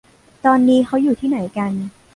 ตอนนี้เค้าอยู่ที่ไหนกัน